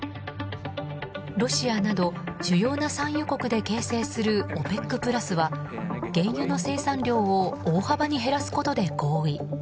ロシアなど主要な産油国で形成するＯＰＥＣプラスは原油の生産量を大幅に減らすことで合意。